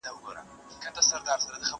ځینې نور مو یوازې ښکته لور ته راکاږي.